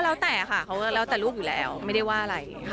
แล้วแต่ค่ะเขาแล้วแต่ลูกอยู่แล้วไม่ได้ว่าอะไร